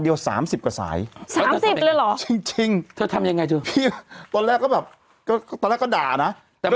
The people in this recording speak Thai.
เดี๋ยวนี้มันด่ากลับนะเธอ